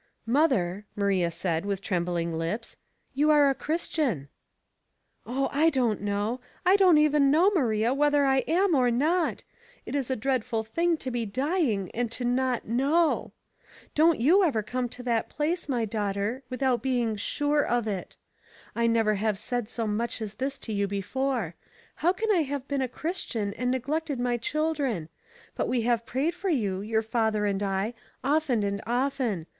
" ]V[other," Maria said, with trembling lips, *'you are a Christian." 6 82 Household Puzzles, " Oh, I don't know. I don't even know, Maria, whether I am or not. It is a dreadful thing to bo dying and not know. Don't you ever come to that place, my daughter, without being sure of it. I have never said so much as this to you before. How can I have been a Christian and neglected my children ? But we have prayed for you, your father and I, often and often.